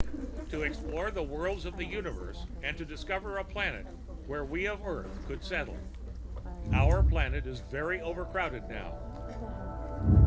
"To explore the worlds of the universe and to discover a planet where we of Earth could settle. Our world is very overcrowded now."